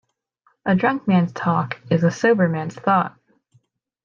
A drunk man's talk is a sober man's thought.